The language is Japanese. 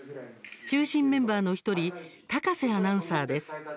中心メンバーの１人高瀬アナウンサーです。